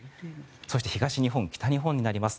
そして東日本、北日本になります。